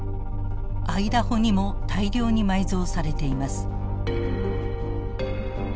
アイダホにも大量に埋蔵されています。